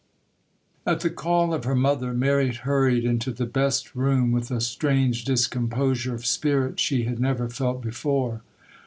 AT the call of her mother, Mary hurried into the 'best room, with a strange discomposure of spirit she had never felt before.